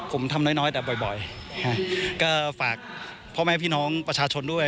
ผมทำน้อยน้อยแต่บ่อยก็ฝากพ่อแม่พี่น้องประชาชนด้วย